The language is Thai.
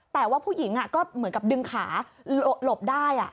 แต่ว่าผู้หญิงก็เหมือนกับดึงขาหลบได้